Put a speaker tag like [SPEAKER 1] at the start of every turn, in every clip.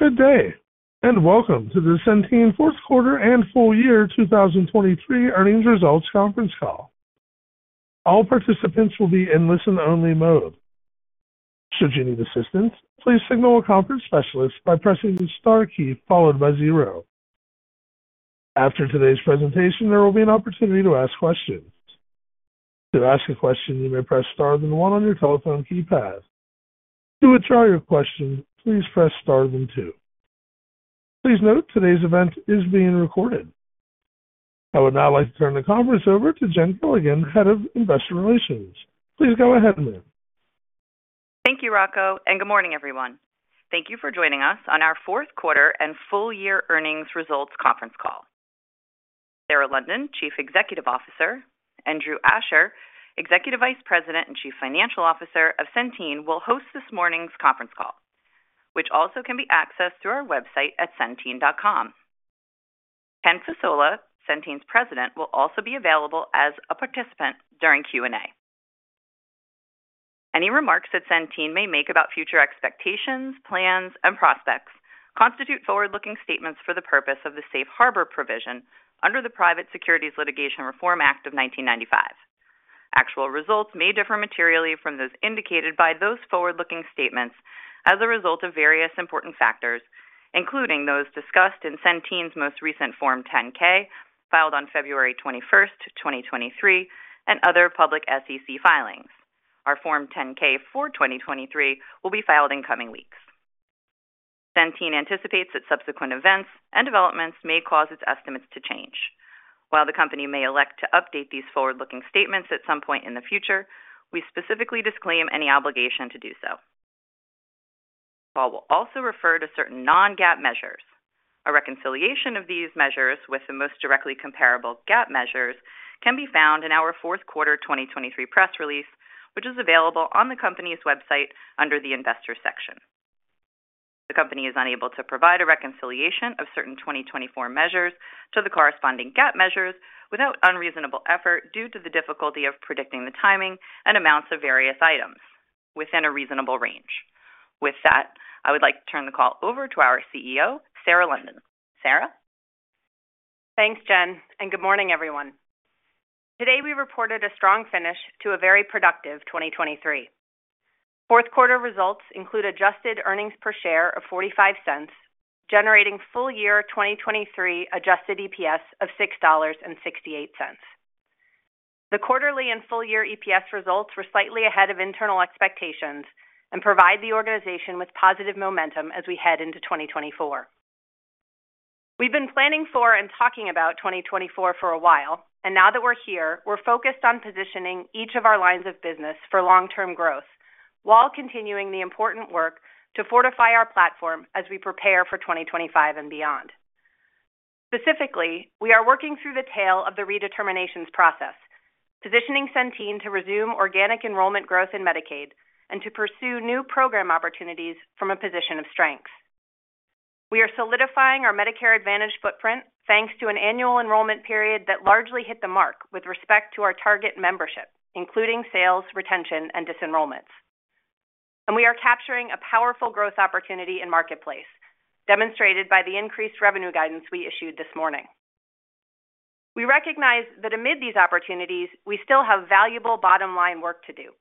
[SPEAKER 1] Good day, and welcome to the Centene Fourth Quarter and Full Year 2023 Earnings Results Conference Call. All participants will be in listen-only mode. Should you need assistance, please signal a conference specialist by pressing the star key followed by zero. After today's presentation, there will be an opportunity to ask questions. To ask a question, you may press Star then one on your telephone keypad. To withdraw your question, please press Star then two. Please note, today's event is being recorded. I would now like to turn the conference over to Jen Gilligan, Head of Investor Relations. Please go ahead, ma'am.
[SPEAKER 2] Thank you, Rocco, and good morning, everyone. Thank you for joining us on our fourth quarter and full year earnings results conference call. Sarah London, Chief Executive Officer, and Andrew Asher, Executive Vice President and Chief Financial Officer of Centene, will host this morning's conference call, which also can be accessed through our website at centene.com. Ken Fasola, Centene's President, will also be available as a participant during Q&A. Any remarks that Centene may make about future expectations, plans, and prospects constitute forward-looking statements for the purpose of the Safe Harbor provision under the Private Securities Litigation Reform Act of 1995. Actual results may differ materially from those indicated by those forward-looking statements as a result of various important factors, including those discussed in Centene's most recent Form 10-K, filed on February 21, 2023, and other public SEC filings. Our Form 10-K for 2023 will be filed in coming weeks. Centene anticipates that subsequent events and developments may cause its estimates to change. While the Company may elect to update these forward-looking statements at some point in the future, we specifically disclaim any obligation to do so. While we'll also refer to certain non-GAAP measures, a reconciliation of these measures with the most directly comparable GAAP measures can be found in our fourth quarter 2023 press release, which is available on the company's website under the investor section. The company is unable to provide a reconciliation of certain 2024 measures to the corresponding GAAP measures without unreasonable effort due to the difficulty of predicting the timing and amounts of various items within a reasonable range. With that, I would like to turn the call over to our CEO, Sarah London. Sarah?
[SPEAKER 3] Thanks, Jen, and good morning, everyone. Today, we reported a strong finish to a very productive 2023. Fourth quarter results include adjusted earnings per share of $0.45, generating full-year 2023 adjusted EPS of $6.68. The quarterly and full-year EPS results were slightly ahead of internal expectations and provide the organization with positive momentum as we head into 2024. We've been planning for and talking about 2024 for a while, and now that we're here, we're focused on positioning each of our lines of business for long-term growth while continuing the important work to fortify our platform as we prepare for 2025 and beyond. Specifically, we are working through the tail of the redeterminations process, positioning Centene to resume organic enrollment growth in Medicaid and to pursue new program opportunities from a position of strength. We are solidifying our Medicare Advantage footprint, thanks to an annual enrollment period that largely hit the mark with respect to our target membership, including sales, retention, and disenrollments. We are capturing a powerful growth opportunity in Marketplace, demonstrated by the increased revenue guidance we issued this morning. We recognize that amid these opportunities, we still have valuable bottom-line work to do,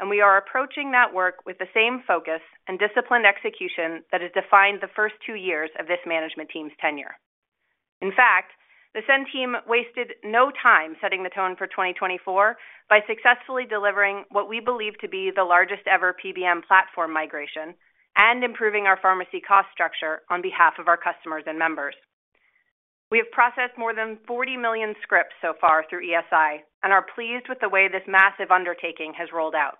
[SPEAKER 3] and we are approaching that work with the same focus and disciplined execution that has defined the first two years of this management team's tenure. In fact, the Centene team wasted no time setting the tone for 2024 by successfully delivering what we believe to be the largest-ever PBM platform migration and improving our pharmacy cost structure on behalf of our customers and members. We have processed more than 40 million scripts so far through ESI and are pleased with the way this massive undertaking has rolled out.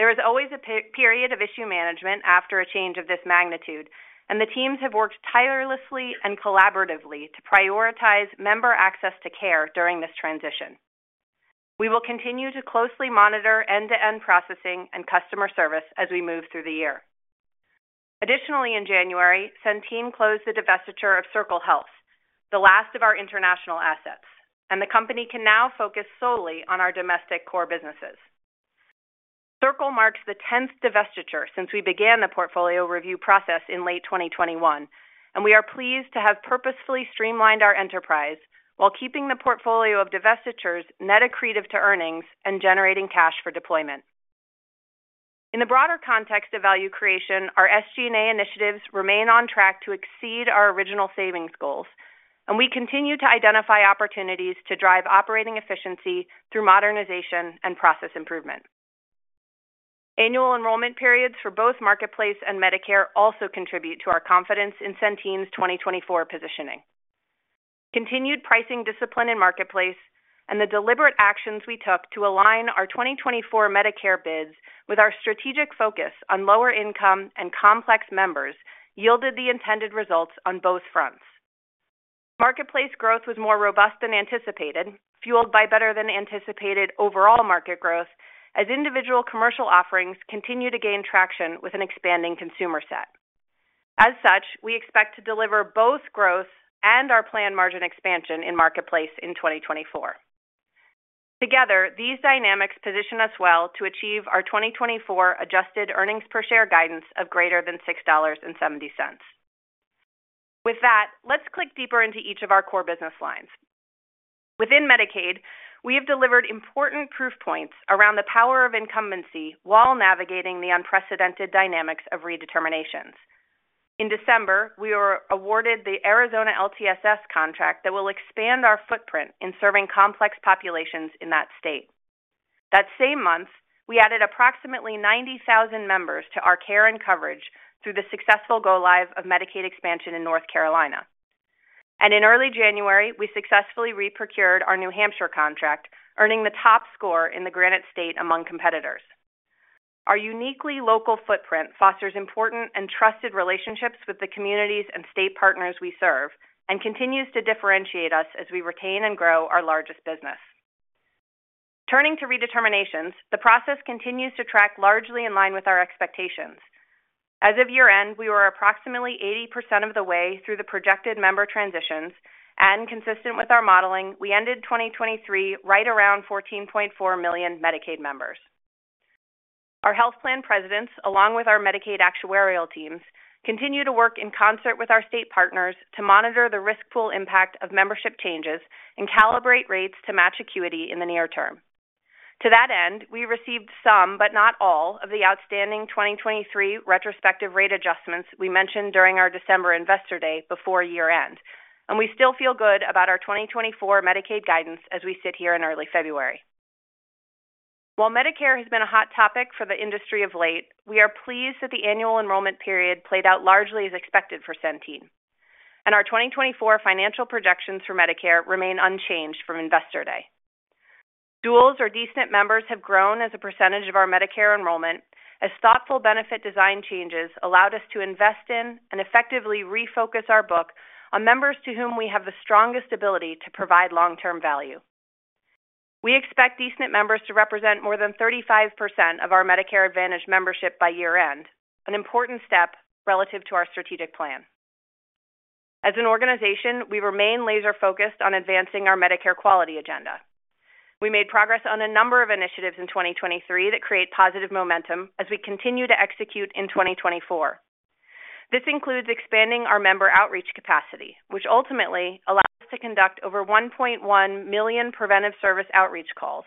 [SPEAKER 3] There is always a period of issue management after a change of this magnitude, and the teams have worked tirelessly and collaboratively to prioritize member access to care during this transition. We will continue to closely monitor end-to-end processing and customer service as we move through the year. Additionally, in January, Centene closed the divestiture of Circle Health, the last of our international assets, and the company can now focus solely on our domestic core businesses. Circle marks the tenth divestiture since we began the portfolio review process in late 2021, and we are pleased to have purposefully streamlined our enterprise while keeping the portfolio of divestitures net accretive to earnings and generating cash for deployment. In the broader context of value creation, our SG&A initiatives remain on track to exceed our original savings goals, and we continue to identify opportunities to drive operating efficiency through modernization and process improvement. Annual enrollment periods for both Marketplace and Medicare also contribute to our confidence in Centene's 2024 positioning. Continued pricing discipline in Marketplace and the deliberate actions we took to align our 2024 Medicare bids with our strategic focus on lower-income and complex members yielded the intended results on both fronts. Marketplace growth was more robust than anticipated, fueled by better-than-anticipated overall market growth as individual commercial offerings continue to gain traction with an expanding consumer set. As such, we expect to deliver both growth and our planned margin expansion in Marketplace in 2024. Together, these dynamics position us well to achieve our 2024 adjusted earnings per share guidance of greater than $6.70. With that, let's click deeper into each of our core business lines. Within Medicaid, we have delivered important proof points around the power of incumbency while navigating the unprecedented dynamics of redeterminations. In December, we were awarded the Arizona LTSS contract that will expand our footprint in serving complex populations in that state. That same month, we added approximately 90,000 members to our care and coverage through the successful go-live of Medicaid expansion in North Carolina. And in early January, we successfully re-procured our New Hampshire contract, earning the top score in the Granite State among competitors. Our uniquely local footprint fosters important and trusted relationships with the communities and state partners we serve, and continues to differentiate us as we retain and grow our largest business. Turning to redeterminations, the process continues to track largely in line with our expectations. As of year-end, we were approximately 80% of the way through the projected member transitions, and consistent with our modeling, we ended 2023 right around 14.4 million Medicaid members. Our health plan presidents, along with our Medicaid actuarial teams, continue to work in concert with our state partners to monitor the risk pool impact of membership changes and calibrate rates to match acuity in the near term. To that end, we received some, but not all, of the outstanding 2023 retrospective rate adjustments we mentioned during our December Investor Day before year-end, and we still feel good about our 2024 Medicaid guidance as we sit here in early February. While Medicare has been a hot topic for the industry of late, we are pleased that the annual enrollment period played out largely as expected for Centene, and our 2024 financial projections for Medicare remain unchanged from Investor Day. Duals or D-SNP members have grown as a percentage of our Medicare enrollment, as thoughtful benefit design changes allowed us to invest in and effectively refocus our book on members to whom we have the strongest ability to provide long-term value. We expect D-SNP members to represent more than 35% of our Medicare Advantage membership by year-end, an important step relative to our strategic plan. As an organization, we remain laser-focused on advancing our Medicare quality agenda. We made progress on a number of initiatives in 2023 that create positive momentum as we continue to execute in 2024. This includes expanding our member outreach capacity, which ultimately allows us to conduct over 1.1 million preventive service outreach calls,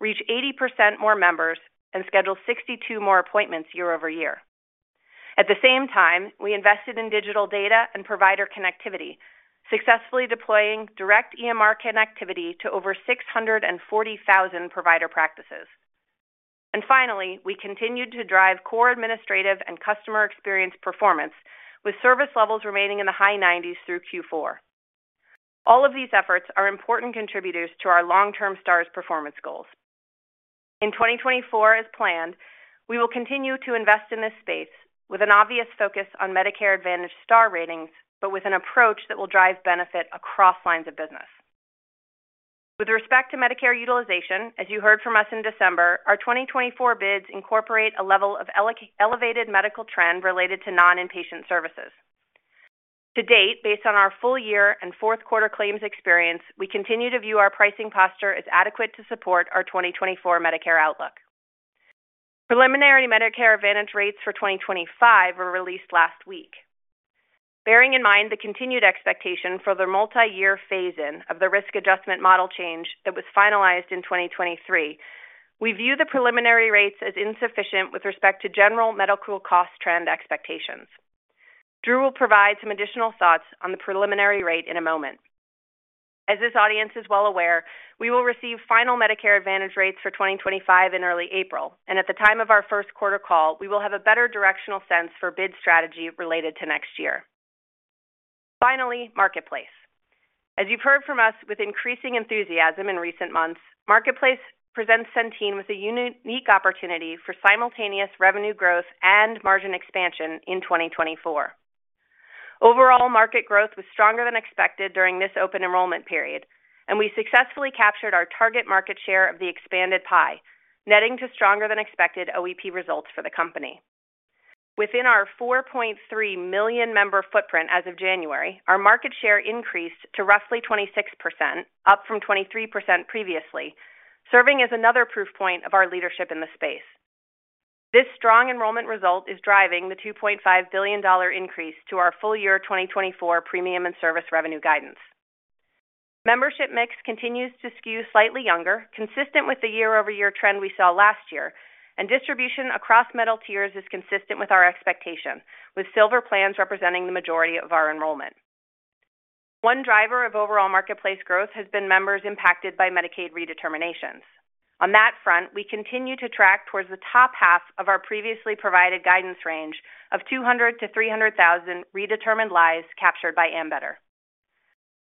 [SPEAKER 3] reach 80% more members, and schedule 62 more appointments year-over-year. At the same time, we invested in digital data and provider connectivity, successfully deploying direct EMR connectivity to over 640,000 provider practices. And finally, we continued to drive core administrative and customer experience performance, with service levels remaining in the high 90s through Q4. All of these efforts are important contributors to our long-term Stars performance goals. In 2024, as planned, we will continue to invest in this space with an obvious focus on Medicare Advantage Star Ratings, but with an approach that will drive benefit across lines of business. With respect to Medicare utilization, as you heard from us in December, our 2024 bids incorporate a level of elevated medical trend related to non-inpatient services. To date, based on our full year and fourth quarter claims experience, we continue to view our pricing posture as adequate to support our 2024 Medicare outlook. Preliminary Medicare Advantage rates for 2025 were released last week. Bearing in mind the continued expectation for the multi-year phase-in of the risk adjustment model change that was finalized in 2023, we view the preliminary rates as insufficient with respect to general medical cost trend expectations. Andrew will provide some additional thoughts on the preliminary rate in a moment. As this audience is well aware, we will receive final Medicare Advantage rates for 2025 in early April, and at the time of our first quarter call, we will have a better directional sense for bid strategy related to next year. Finally, Marketplace. As you've heard from us with increasing enthusiasm in recent months, Marketplace presents Centene with a unique opportunity for simultaneous revenue growth and margin expansion in 2024. Overall, market growth was stronger than expected during this open enrollment period, and we successfully captured our target market share of the expanded pie, netting to stronger than expected OEP results for the company. Within our 4.3 million member footprint as of January, our market share increased to roughly 26%, up from 23% previously, serving as another proof point of our leadership in the space. This strong enrollment result is driving the $2.5 billion increase to our full year 2024 premium and service revenue guidance. Membership mix continues to skew slightly younger, consistent with the year-over-year trend we saw last year, and distribution across metal tiers is consistent with our expectations, with Silver plans representing the majority of our enrollment. One driver of overall Marketplace growth has been members impacted by Medicaid redeterminations. On that front, we continue to track towards the top half of our previously provided guidance range of 200,000-300,000 redetermined lives captured by Ambetter.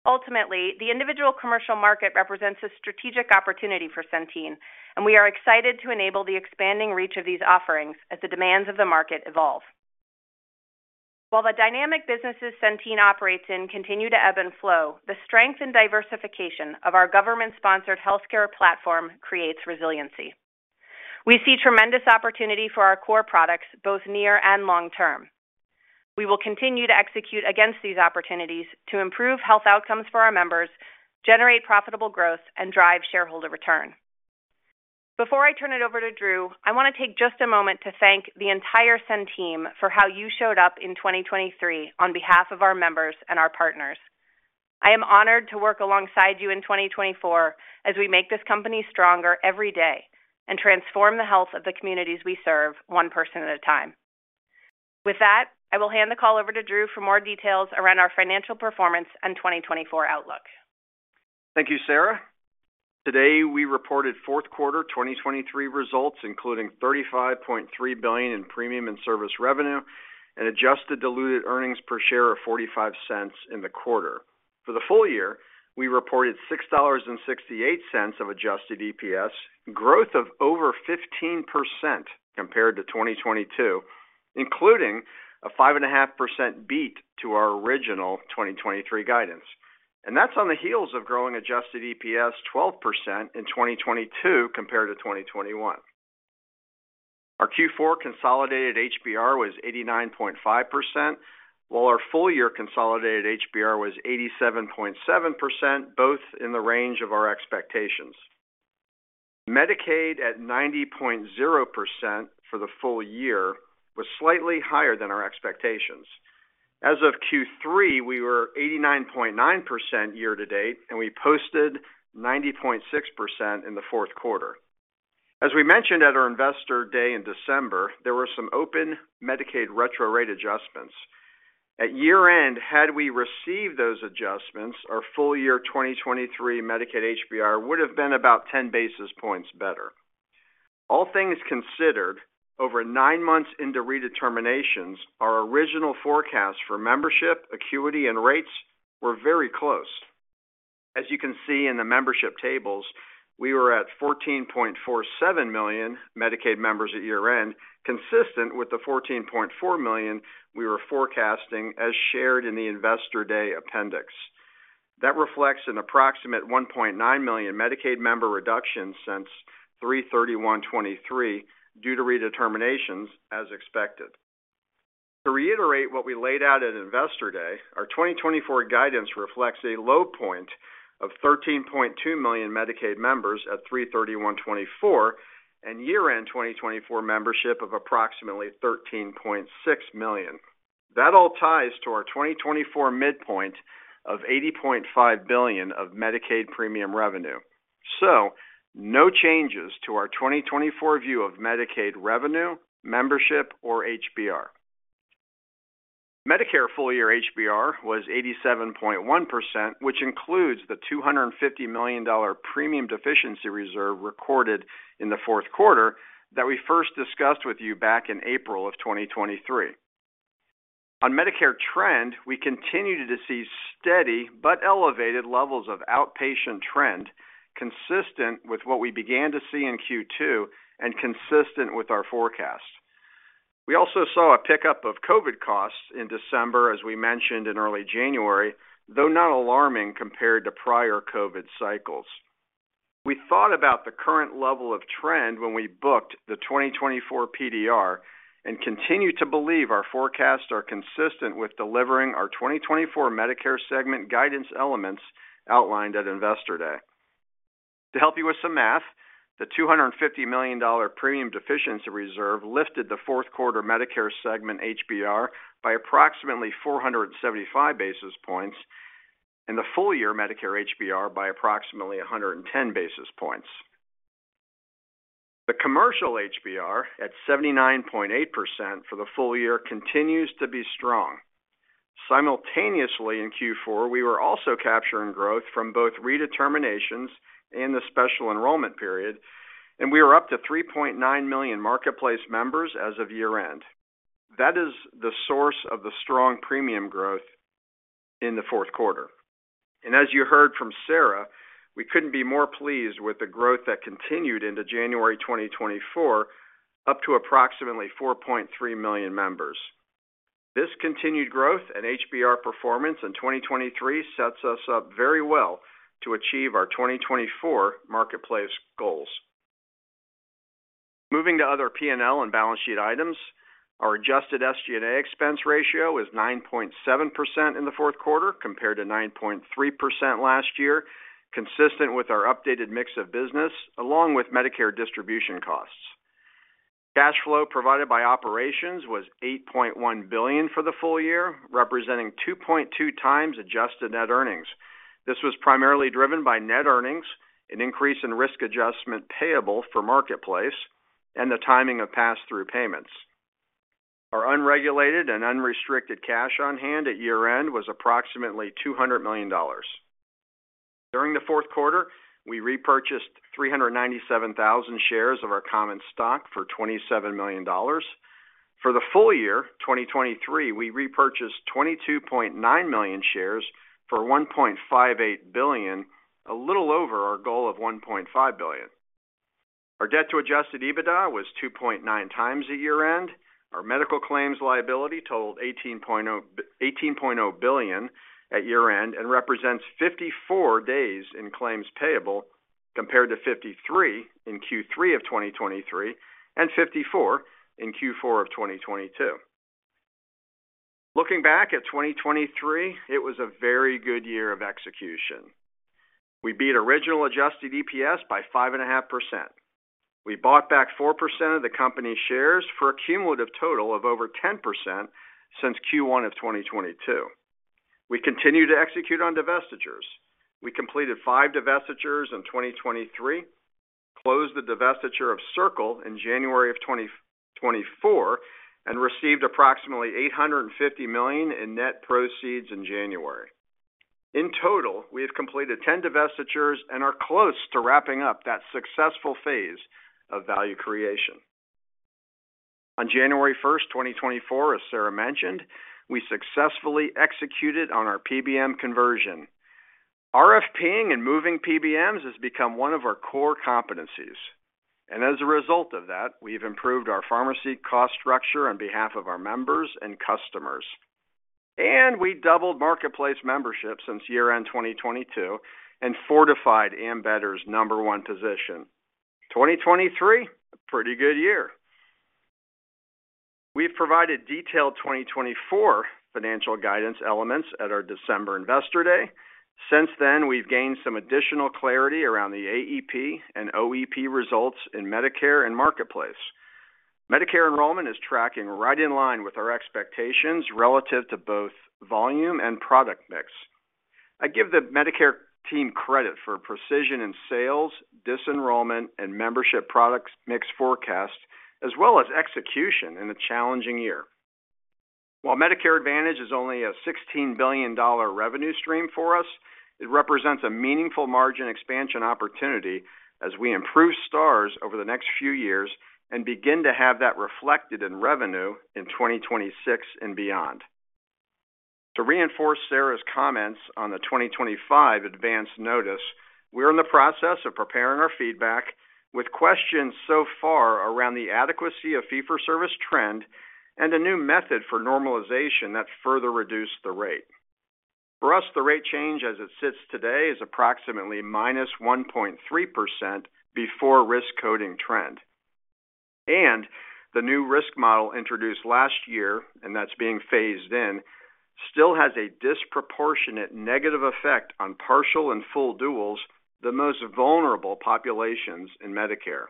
[SPEAKER 3] Ultimately, the individual commercial market represents a strategic opportunity for Centene, and we are excited to enable the expanding reach of these offerings as the demands of the market evolve. While the dynamic businesses Centene operates in continue to ebb and flow, the strength and diversification of our government-sponsored healthcare platform creates resiliency. We see tremendous opportunity for our core products, both near and long term.... We will continue to execute against these opportunities to improve health outcomes for our members, generate profitable growth, and drive shareholder return. Before I turn it over to Andrew, I want to take just a moment to thank the entire Centene team for how you showed up in 2023 on behalf of our members and our partners. I am honored to work alongside you in 2024 as we make this company stronger every day and transform the health of the communities we serve, one person at a time. With that, I will hand the call over to Andrew for more details around our financial performance and 2024 outlook.
[SPEAKER 4] Thank you, Sarah. Today, we reported fourth quarter 2023 results, including $35.3 billion in premium and service revenue and adjusted diluted EPS of $0.45 in the quarter. For the full year, we reported $6.68 of adjusted EPS, growth of over 15% compared to 2022, including a 5.5% beat to our original 2023 guidance. And that's on the heels of growing adjusted EPS 12% in 2022 compared to 2021. Our Q4 consolidated HBR was 89.5%, while our full year consolidated HBR was 87.7%, both in the range of our expectations. Medicaid, at 90.0% for the full year, was slightly higher than our expectations. As of Q3, we were 89.9% year to date, and we posted 90.6% in the fourth quarter. As we mentioned at our Investor Day in December, there were some open Medicaid retro rate adjustments. At year-end, had we received those adjustments, our full year 2023 Medicaid HBR would have been about 10 basis points better. All things considered, over 9 months into redeterminations, our original forecasts for membership, acuity, and rates were very close. As you can see in the membership tables, we were at 14.47 million Medicaid members at year-end, consistent with the 14.4 million we were forecasting as shared in the Investor Day appendix. That reflects an approximate 1.9 million Medicaid member reduction since 3/31/2023 due to redeterminations, as expected. To reiterate what we laid out at Investor Day, our 2024 guidance reflects a low point of 13.2 million Medicaid members at 3/31/2024, and year-end 2024 membership of approximately 13.6 million. That all ties to our 2024 midpoint of $80.5 billion of Medicaid premium revenue. So no changes to our 2024 view of Medicaid revenue, membership, or HBR. Medicare full year HBR was 87.1%, which includes the $250 million premium deficiency reserve recorded in the fourth quarter that we first discussed with you back in April of 2023. On Medicare trend, we continued to see steady but elevated levels of outpatient trend, consistent with what we began to see in Q2 and consistent with our forecast. We also saw a pickup of COVID costs in December, as we mentioned in early January, though not alarming compared to prior COVID cycles. We thought about the current level of trend when we booked the 2024 PDR and continue to believe our forecasts are consistent with delivering our 2024 Medicare segment guidance elements outlined at Investor Day. To help you with some math, the $250 million premium deficiency reserve lifted the fourth quarter Medicare segment HBR by approximately 475 basis points, and the full year Medicare HBR by approximately 110 basis points. The commercial HBR, at 79.8% for the full year, continues to be strong. Simultaneously, in Q4, we were also capturing growth from both redeterminations and the special enrollment period, and we are up to 3.9 million marketplace members as of year-end. That is the source of the strong premium growth in the fourth quarter. As you heard from Sarah, we couldn't be more pleased with the growth that continued into January 2024, up to approximately 4.3 million members. This continued growth and HBR performance in 2023 sets us up very well to achieve our 2024 marketplace goals. Moving to other P&L and balance sheet items, our adjusted SG&A expense ratio is 9.7% in the fourth quarter, compared to 9.3% last year, consistent with our updated mix of business, along with Medicare distribution costs. Cash flow provided by operations was $8.1 billion for the full year, representing 2.2 times adjusted net earnings. This was primarily driven by net earnings, an increase in risk adjustment payable for Marketplace, and the timing of passthrough payments. Our unregulated and unrestricted cash on hand at year-end was approximately $200 million. During the fourth quarter, we repurchased 397,000 shares of our common stock for $27 million. For the full year, 2023, we repurchased 22.9 million shares for $1.58 billion, a little over our goal of $1.5 billion. Our debt to adjusted EBITDA was 2.9 times at year-end. Our medical claims liability totaled $18.0 billion at year-end and represents 54 days in claims payable. compared to 53 in Q3 of 2023, and 54 in Q4 of 2022. Looking back at 2023, it was a very good year of execution. We beat original adjusted EPS by 5.5%. We bought back 4% of the company's shares for a cumulative total of over 10% since Q1 of 2022. We continued to execute on divestitures. We completed 5 divestitures in 2023, closed the divestiture of Circle in January of 2024, and received approximately $850 million in net proceeds in January. In total, we have completed 10 divestitures and are close to wrapping up that successful phase of value creation. On January 1, 2024, as Sarah mentioned, we successfully executed on our PBM conversion. RFPing and moving PBMs has become one of our core competencies, and as a result of that, we've improved our pharmacy cost structure on behalf of our members and customers. We doubled Marketplace membership since year-end 2022, and fortified Ambetter's number one position. 2023, a pretty good year. We've provided detailed 2024 financial guidance elements at our December Investor Day. Since then, we've gained some additional clarity around the AEP and OEP results in Medicare and Marketplace. Medicare enrollment is tracking right in line with our expectations relative to both volume and product mix. I give the Medicare team credit for precision in sales, disenrollment, and membership products mix forecast, as well as execution in a challenging year. While Medicare Advantage is only a $16 billion revenue stream for us, it represents a meaningful margin expansion opportunity as we improve stars over the next few years and begin to have that reflected in revenue in 2026 and beyond. To reinforce Sarah's comments on the 2025 Advance Notice, we're in the process of preparing our feedback with questions so far around the adequacy of fee-for-service trend and a new method for normalization that further reduced the rate. For us, the rate change as it sits today, is approximately -1.3% before risk coding trend. And the new risk model introduced last year, and that's being phased in, still has a disproportionate negative effect on partial and full duals, the most vulnerable populations in Medicare.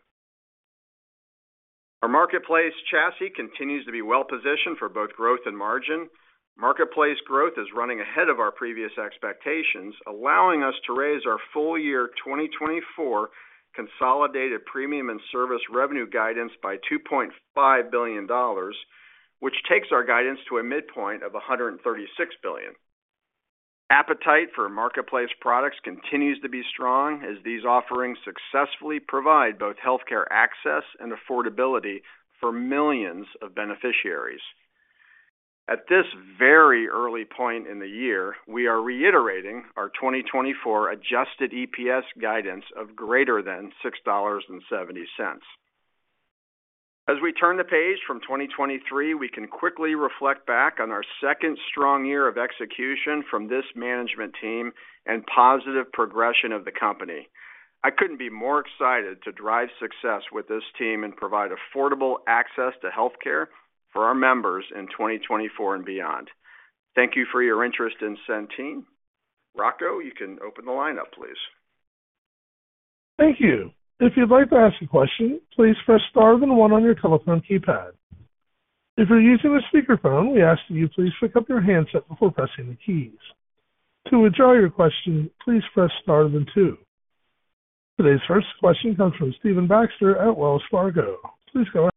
[SPEAKER 4] Our marketplace chassis continues to be well-positioned for both growth and margin. Marketplace growth is running ahead of our previous expectations, allowing us to raise our full year 2024 consolidated premium and service revenue guidance by $2.5 billion, which takes our guidance to a midpoint of $136 billion. Appetite for marketplace products continues to be strong, as these offerings successfully provide both healthcare access and affordability for millions of beneficiaries. At this very early point in the year, we are reiterating our 2024 adjusted EPS guidance of greater than $6.70. As we turn the page from 2023, we can quickly reflect back on our second strong year of execution from this management team and positive progression of the company. I couldn't be more excited to drive success with this team and provide affordable access to healthcare for our members in 2024 and beyond. Thank you for your interest in Centene. Rocco, you can open the line up, please.
[SPEAKER 1] Thank you. If you'd like to ask a question, please press star, then one on your telephone keypad. If you're using a speakerphone, we ask that you please pick up your handset before pressing the keys. To withdraw your question, please press star, then two. Today's first question comes from Stephen Baxter at Wells Fargo. Please go ahead.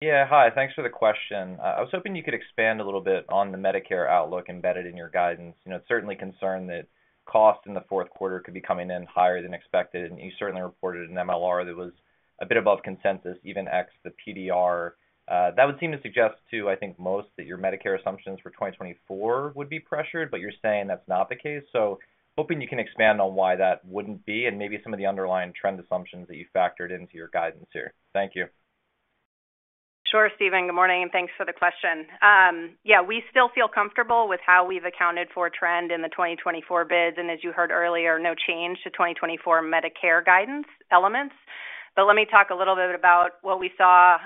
[SPEAKER 5] Yeah, hi. Thanks for the question. I was hoping you could expand a little bit on the Medicare outlook embedded in your guidance. You know, it's certainly concerning that costs in the fourth quarter could be coming in higher than expected, and you certainly reported an MLR that was a bit above consensus, even ex the PDR. That would seem to suggest to, I think, most, that your Medicare assumptions for 2024 would be pressured, but you're saying that's not the case. So hoping you can expand on why that wouldn't be, and maybe some of the underlying trend assumptions that you factored into your guidance here. Thank you.
[SPEAKER 3] Sure, Stephen. Good morning, and thanks for the question. Yeah, we still feel comfortable with how we've accounted for trend in the 2024 bids, and as you heard earlier, no change to 2024 Medicare guidance elements. But let me talk a little bit about what we saw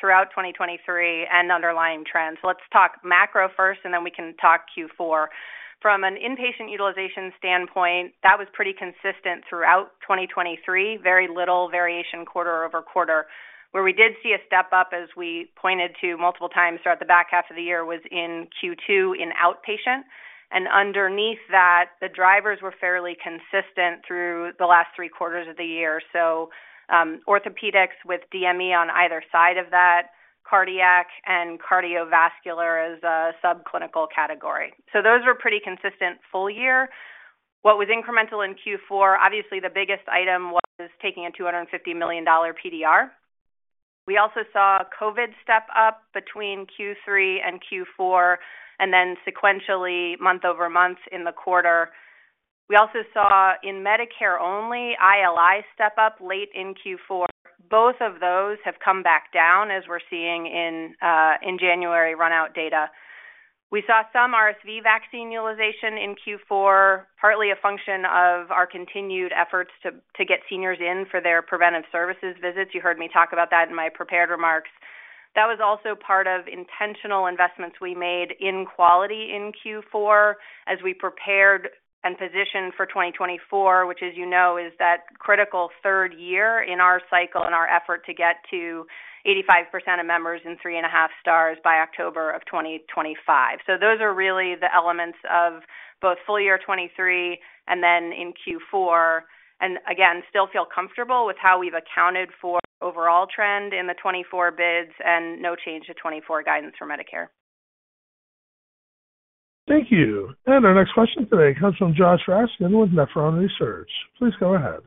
[SPEAKER 3] throughout 2023 and underlying trends. Let's talk macro first, and then we can talk Q4. From an inpatient utilization standpoint, that was pretty consistent throughout 2023. Very little variation quarter over quarter. Where we did see a step up, as we pointed to multiple times throughout the back half of the year, was in Q2 in outpatient, and underneath that, the drivers were fairly consistent through the last three quarters of the year. So, orthopedics with DME on either side of that, cardiac and cardiovascular as a subclinical category. So those were pretty consistent full year. What was incremental in Q4, obviously, the biggest item was taking a $250 million PDR. We also saw COVID step up between Q3 and Q4, and then sequentially month-over-month in the quarter. We also saw in Medicare only, ILI step up late in Q4. Both of those have come back down, as we're seeing in January run-out data. We saw some RSV vaccine utilization in Q4, partly a function of our continued efforts to get seniors in for their preventive services visits. You heard me talk about that in my prepared remarks. That was also part of intentional investments we made in quality in Q4 as we prepared and positioned for 2024, which, as you know, is that critical third year in our cycle and our effort to get to 85% of members in 3.5 stars by October of 2025. So those are really the elements of both full year 2023 and then in Q4, and again, still feel comfortable with how we've accounted for overall trend in the 2024 bids and no change to 2024 guidance for Medicare.
[SPEAKER 1] Thank you. And our next question today comes from Josh Raskin with Nephron Research. Please go ahead.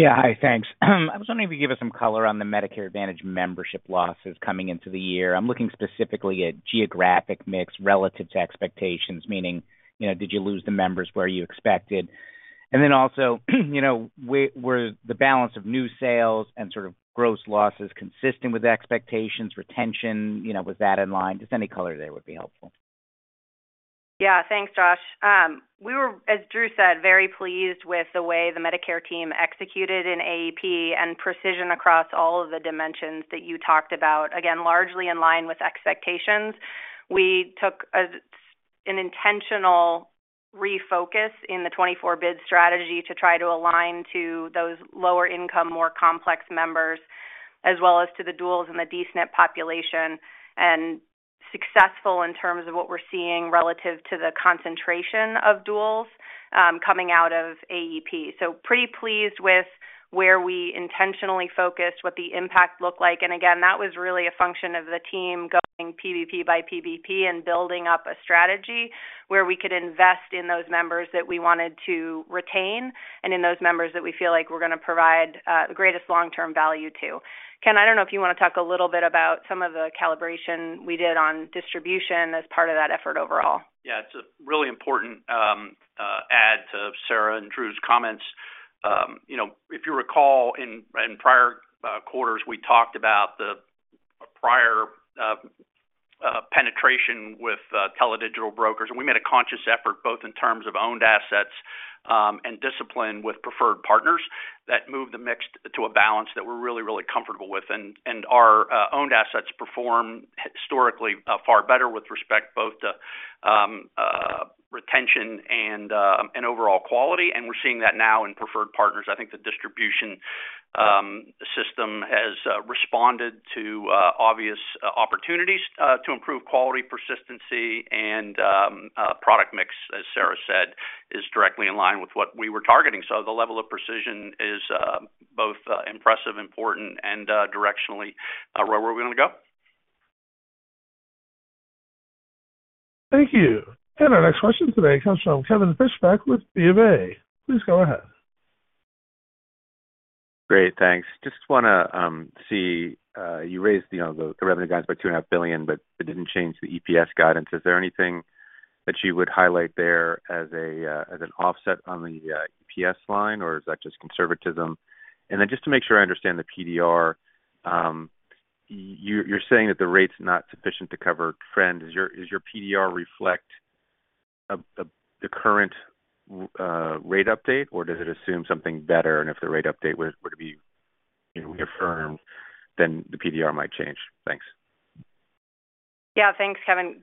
[SPEAKER 6] Yeah. Hi, thanks. I was wondering if you give us some color on the Medicare Advantage membership losses coming into the year. I'm looking specifically at geographic mix relative to expectations, meaning, you know, did you lose the members where you expected? And then also, you know, were the balance of new sales and sort of gross losses consistent with expectations, retention, you know, was that in line? Just any color there would be helpful.
[SPEAKER 3] Yeah, thanks, Josh. We were, as Andrew said, very pleased with the way the Medicare team executed in AEP and precision across all of the dimensions that you talked about. Again, largely in line with expectations. We took as an intentional refocus in the 2024 bid strategy to try to align to those lower-income, more complex members, as well as to the duals in the D-SNP population, and successful in terms of what we're seeing relative to the concentration of duals coming out of AEP. So pretty pleased with where we intentionally focused, what the impact looked like. And again, that was really a function of the team going PBP by PBP and building up a strategy where we could invest in those members that we wanted to retain and in those members that we feel like we're going to provide the greatest long-term value to. Ken, I don't know if you want to talk a little bit about some of the calibration we did on distribution as part of that effort overall.
[SPEAKER 7] Yeah, it's a really important add to Sarah and Andrew's comments. You know, if you recall, in prior quarters, we talked about the prior penetration with tele digital brokers, and we made a conscious effort, both in terms of owned assets and discipline with preferred partners, that moved the mix to a balance that we're really, really comfortable with. And our owned assets perform historically far better with respect both to retention and overall quality, and we're seeing that now in preferred partners. I think the distribution system has responded to obvious opportunities to improve quality, persistency and product mix, as Sarah said, is directly in line with what we were targeting. The level of precision is both impressive, important, and directionally where we're going to go.
[SPEAKER 1] Thank you. And our next question today comes from Kevin Fischbeck with BofA. Please go ahead.
[SPEAKER 8] Great, thanks. Just wanna see you raised, you know, the revenue guidance by $2.5 billion, but it didn't change the EPS guidance. Is there anything that you would highlight there as an offset on the EPS line, or is that just conservatism? And then just to make sure I understand the PDR, you're saying that the rate's not sufficient to cover trend. Does your PDR reflect the current rate update, or does it assume something better? And if the rate update would be, you know, reaffirmed, then the PDR might change. Thanks.
[SPEAKER 3] Yeah, thanks, Kevin.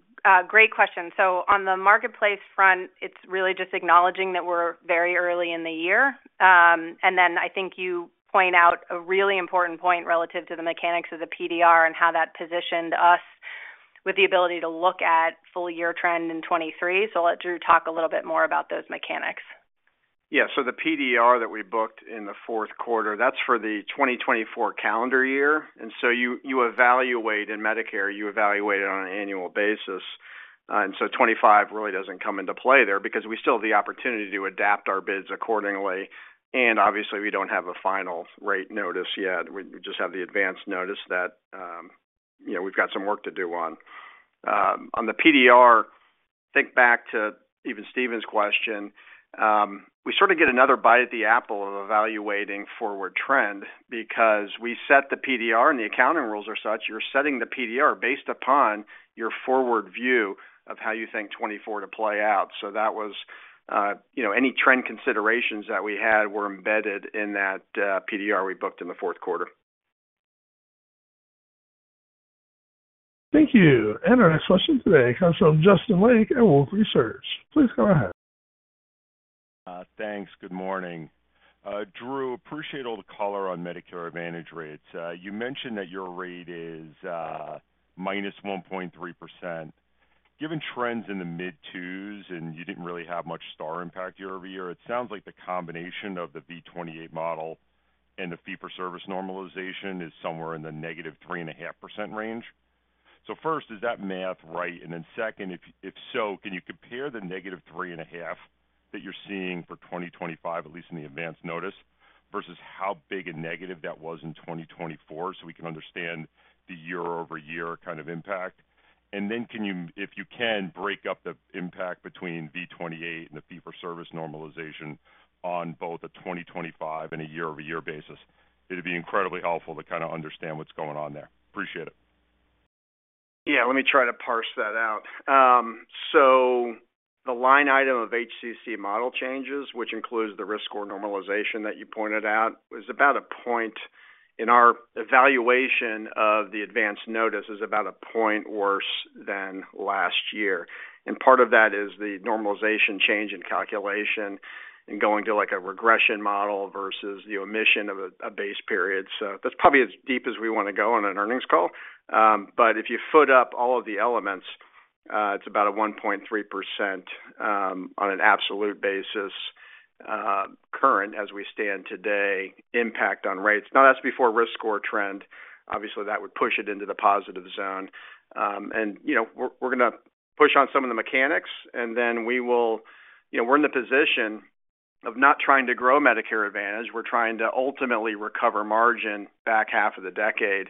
[SPEAKER 3] Great question. So on the Marketplace front, it's really just acknowledging that we're very early in the year. And then I think you point out a really important point relative to the mechanics of the PDR and how that positioned us with the ability to look at full year trend in 2023. So I'll let Andrew talk a little bit more about those mechanics.
[SPEAKER 7] Yeah. So the PDR that we booked in the fourth quarter, that's for the 2024 calendar year. And so you, you evaluate, in Medicare, you evaluate it on an annual basis. And so '25 really doesn't come into play there because we still have the opportunity to adapt our bids accordingly, and obviously, we don't have a final rate notice yet. We just have the advance notice that, you know, we've got some work to do on. On the PDR, think back to even Steven's question, we sort of get another bite at the apple of evaluating forward trend because we set the PDR and the accounting rules are such, you're setting the PDR based upon your forward view of how you think 2024 to play out. So that was, you know, any trend considerations that we had were embedded in that, PDR we booked in the fourth quarter.
[SPEAKER 1] Thank you. Our next question today comes from Justin Lake at Wolfe Research. Please go ahead.
[SPEAKER 9] Thanks. Good morning. Andrew, appreciate all the color on Medicare Advantage rates. You mentioned that your rate is minus 1.3%. Given trends in the mid-2s, and you didn't really have much Star impact year-over-year, it sounds like the combination of the V28 model and the fee-for-service normalization is somewhere in the -3.5% range. So first, is that math right? And then second, if so, can you compare the -3.5% that you're seeing for 2025, at least in the advance notice, versus how big a negative that was in 2024, so we can understand the year-over-year kind of impact? And then can you, if you can, break up the impact between V28 and the fee-for-service normalization on both a 2025 and a year-over-year basis. It'd be incredibly helpful to kind of understand what's going on there. Appreciate it. ...
[SPEAKER 4] Yeah, let me try to parse that out. So the line item of HCC model changes, which includes the risk score normalization that you pointed out, was about a point in our evaluation of the advanced notice, is about a point worse than last year. And part of that is the normalization change in calculation and going to, like, a regression model versus the omission of a base period. So that's probably as deep as we want to go on an earnings call. But if you foot up all of the elements, it's about a 1.3%, on an absolute basis, current as we stand today, impact on rates. Now, that's before risk score trend. Obviously, that would push it into the positive zone. And, you know, we're going to push on some of the mechanics, and then we will. You know, we're in the position of not trying to grow Medicare Advantage. We're trying to ultimately recover margin back half of the decade,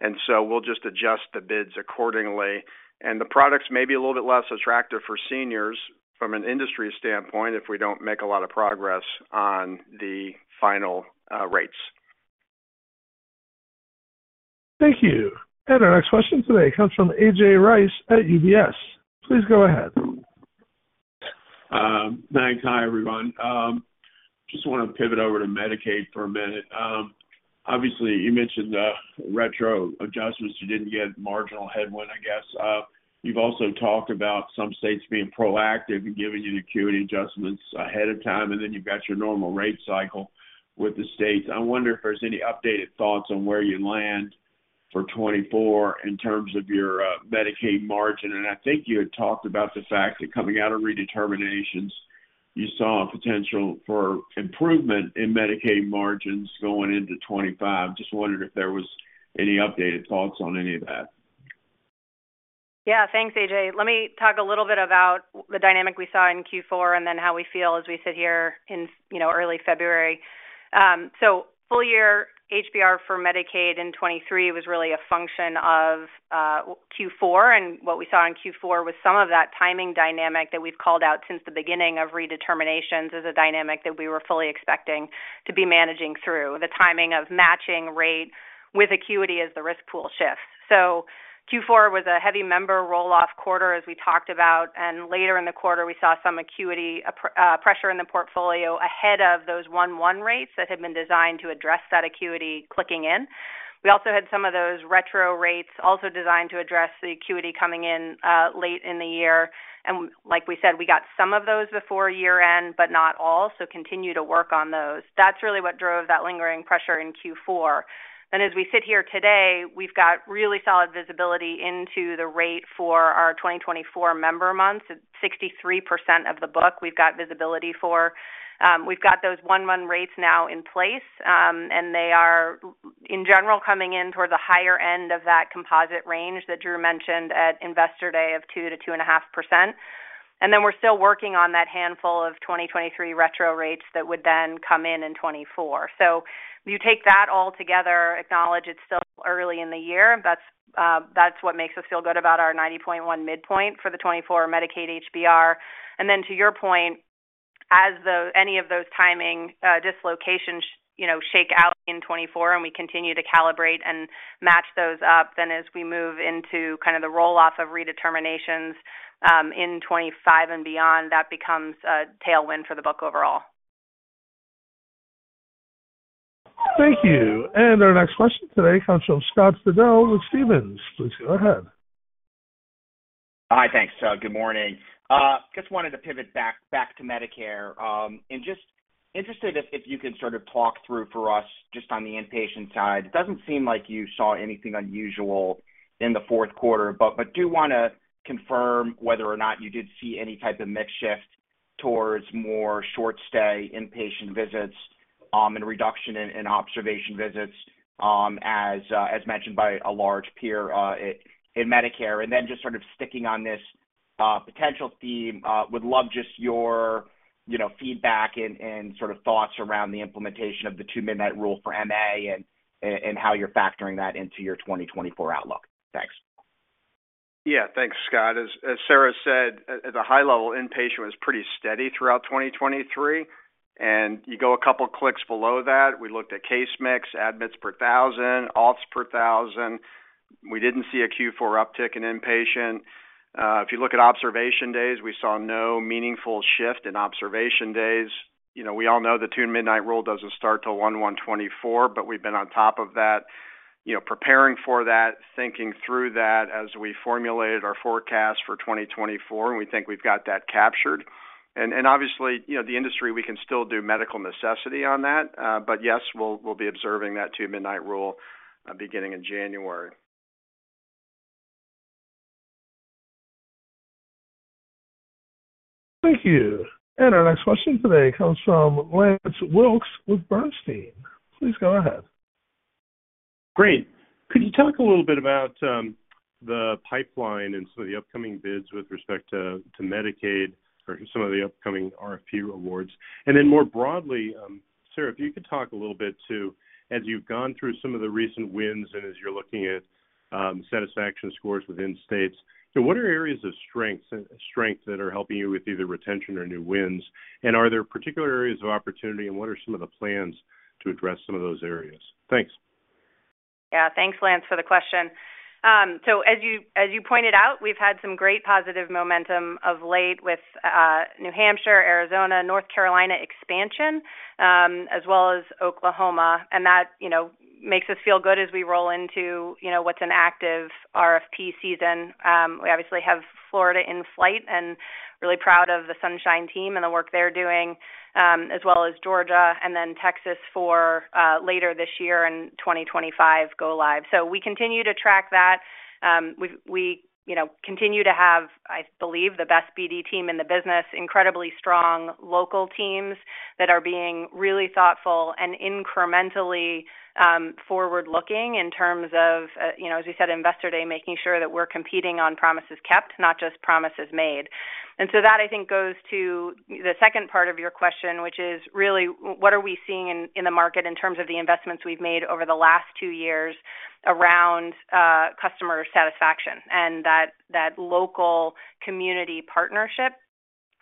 [SPEAKER 4] and so we'll just adjust the bids accordingly. And the products may be a little bit less attractive for seniors from an industry standpoint if we don't make a lot of progress on the final rates.
[SPEAKER 1] Thank you. Our next question today comes from A.J. Rice at UBS. Please go ahead.
[SPEAKER 10] Thanks. Hi, everyone. Just want to pivot over to Medicaid for a minute. Obviously, you mentioned the retro adjustments. You didn't get marginal headwind, I guess. You've also talked about some states being proactive and giving you the acuity adjustments ahead of time, and then you've got your normal rate cycle with the states. I wonder if there's any updated thoughts on where you land for 2024 in terms of your, Medicaid margin. And I think you had talked about the fact that coming out of redeterminations, you saw a potential for improvement in Medicaid margins going into 2025. Just wondered if there was any updated thoughts on any of that.
[SPEAKER 3] Yeah, thanks, AJ. Let me talk a little bit about the dynamic we saw in Q4 and then how we feel as we sit here in, you know, early February. So full year HBR for Medicaid in 2023 was really a function of Q4. And what we saw in Q4 was some of that timing dynamic that we've called out since the beginning of redeterminations is a dynamic that we were fully expecting to be managing through. The timing of matching rate with acuity as the risk pool shifts. So Q4 was a heavy member roll-off quarter, as we talked about, and later in the quarter, we saw some acuity pressure in the portfolio ahead of those 1/1 rates that had been designed to address that acuity clicking in. We also had some of those retro rates, also designed to address the acuity coming in, late in the year. And like we said, we got some of those before year-end, but not all, so continue to work on those. That's really what drove that lingering pressure in Q4. Then, as we sit here today, we've got really solid visibility into the rate for our 2024 member months. 63% of the book we've got visibility for. We've got those 1/1 rates now in place, and they are, in general, coming in toward the higher end of that composite range that Andrew mentioned at Investor Day of 2%-2.5%. And then we're still working on that handful of 2023 retro rates that would then come in in 2024. So you take that all together, acknowledge it's still early in the year, that's, that's what makes us feel good about our 90.1% midpoint for the 2024 Medicaid HBR. And then to your point, as any of those timing dislocations, you know, shake out in 2024 and we continue to calibrate and match those up, then as we move into kind of the roll-off of Redeterminations in 2025 and beyond, that becomes a tailwind for the book overall.
[SPEAKER 1] Thank you. Our next question today comes from Scott Fidel with Stephens. Please go ahead.
[SPEAKER 11] Hi. Thanks, Scott. Good morning. Just wanted to pivot back to Medicare. And just interested if you can sort of talk through for us, just on the inpatient side. It doesn't seem like you saw anything unusual in the fourth quarter, but do want to confirm whether or not you did see any type of mix shift towards more short stay inpatient visits, and reduction in observation visits, as mentioned by a large peer in Medicare. Then just sort of sticking on this potential theme, would love just your you know feedback and sort of thoughts around the implementation of the Two-Midnight Rule for MA and how you're factoring that into your 2024 outlook. Thanks.
[SPEAKER 4] Yeah. Thanks, Scott. As Sarah said, at the high level, inpatient was pretty steady throughout 2023, and you go a couple clicks below that, we looked at case mix, admits per thousand, obs per thousand. We didn't see a Q4 uptick in inpatient. If you look at observation days, we saw no meaningful shift in observation days. You know, we all know the Two-Midnight Rule doesn't start till 1/1/2024, but we've been on top of that, you know, preparing for that, thinking through that as we formulated our forecast for 2024, and we think we've got that captured. And obviously, you know, the industry, we can still do medical necessity on that. But yes, we'll be observing that Two-Midnight Rule beginning in January.
[SPEAKER 1] Thank you. Our next question today comes from Lance Wilkes with Bernstein. Please go ahead.
[SPEAKER 12] Great. Could you talk a little bit about the pipeline and some of the upcoming bids with respect to to Medicaid or some of the upcoming RFP awards? And then more broadly, Sarah, if you could talk a little bit, too, as you've gone through some of the recent wins, and as you're looking at satisfaction scores within states, so what are areas of strengths, strength that are helping you with either retention or new wins? And are there particular areas of opportunity, and what are some of the plans to address some of those areas? Thanks. ...
[SPEAKER 3] Yeah, thanks, Lance, for the question. So as you pointed out, we've had some great positive momentum of late with New Hampshire, Arizona, North Carolina expansion, as well as Oklahoma. That, you know, makes us feel good as we roll into, you know, what's an active RFP season. We obviously have Florida in flight and really proud of the Sunshine team and the work they're doing, as well as Georgia and then Texas for later this year and 2025 go live. So we continue to track that. We, you know, continue to have, I believe, the best BD team in the business, incredibly strong local teams that are being really thoughtful and incrementally forward-looking in terms of, you know, as you said, Investor Day, making sure that we're competing on promises kept, not just promises made. And so that, I think, goes to the second part of your question, which is really what are we seeing in, in the market in terms of the investments we've made over the last two years around, customer satisfaction and that, that local community partnership?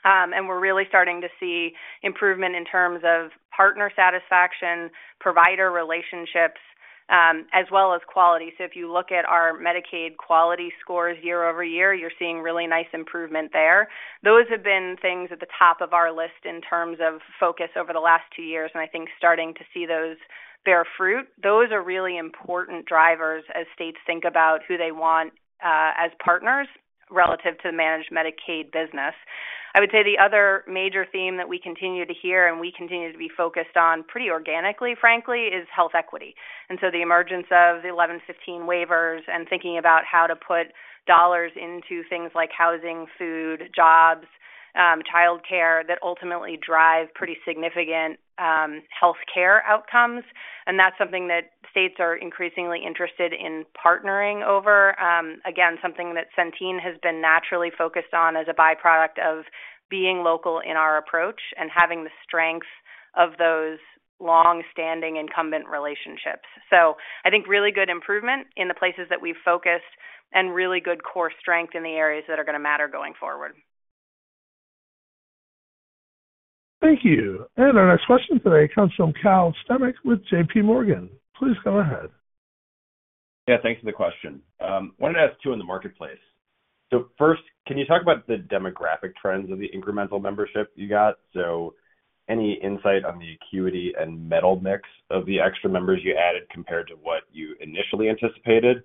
[SPEAKER 3] And we're really starting to see improvement in terms of partner satisfaction, provider relationships, as well as quality. So if you look at our Medicaid quality scores year-over-year, you're seeing really nice improvement there. Those have been things at the top of our list in terms of focus over the last two years, and I think starting to see those bear fruit. Those are really important drivers as states think about who they want as partners relative to managed Medicaid business. I would say the other major theme that we continue to hear and we continue to be focused on pretty organically, frankly, is health equity. So the emergence of the 1115 waivers and thinking about how to put dollars into things like housing, food, jobs, childcare, that ultimately drive pretty significant healthcare outcomes. And that's something that states are increasingly interested in partnering over. Again, something that Centene has been naturally focused on as a byproduct of being local in our approach and having the strength of those long-standing incumbent relationships. So I think really good improvement in the places that we've focused and really good core strength in the areas that are going to matter going forward.
[SPEAKER 1] Thank you. Our next question today comes from Calvin Sternick with J.P. Morgan. Please go ahead.
[SPEAKER 13] Yeah, thanks for the question. Wanted to ask two in the marketplace. So first, can you talk about the demographic trends of the incremental membership you got? So any insight on the acuity and metal mix of the extra members you added compared to what you initially anticipated?